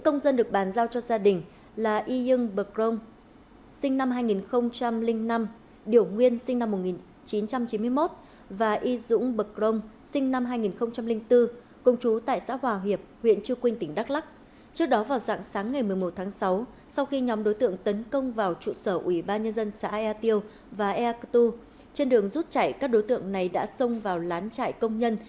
ba công dân này đã bị bắt cóc làm con tin khi nhóm đối tượng tấn công vào hai trụ sở ủy ban nhân dân xã yatio và eak tu huyện chư quynh vào dạng sáng ngày một mươi một tháng sáu